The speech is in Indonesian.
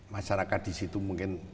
masyarakat di situ mungkin